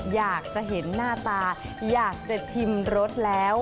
อยากจะเห็นหน้าตาอยากจะชิมรสแล้ว